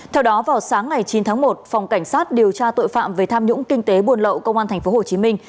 theo đó vào sáng ngày chín tháng một phòng cảnh sát điều tra tội phạm về tham nhũng kinh tế buồn lậu công an thành phố hồ chí minh